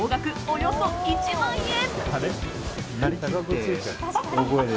およそ１万円。